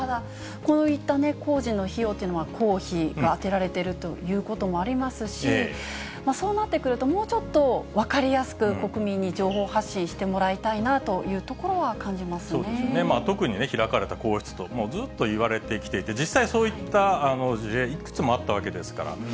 こういった工事の費用というのは公費が充てられているということもありますし、そうなってくると、もうちょっと分かりやすく国民に情報発信してもらいたいなという特に開かれた皇室と、ずっといわれてきていて、実際、そういった事例、いくつもあったわけですから。